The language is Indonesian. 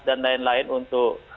dan lain lain untuk